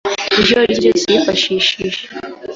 iryo ari ryo ryose yifashishije